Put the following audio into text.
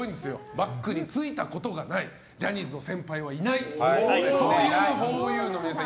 バックについたことのないジャニーズの先輩はいないというそういう、ふぉゆの皆さん